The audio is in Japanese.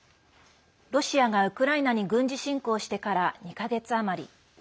ロシアがウクライナに軍事侵攻してから２か月余り。